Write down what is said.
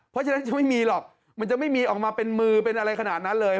เพราะฉะนั้นจะไม่มีหรอกมันจะไม่มีออกมาเป็นมือเป็นอะไรขนาดนั้นเลย